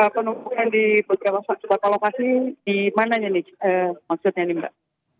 penumpukan di beberapa kota lokasi di mananya nih maksudnya nih mbak